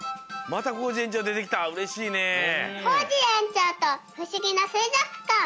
「コージえんちょうとふしぎなすいぞくかん」。